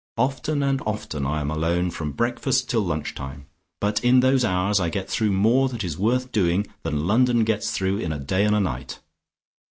Often and often I am alone from breakfast till lunch time, but in those hours I get through more that is worth doing than London gets through in a day and a night.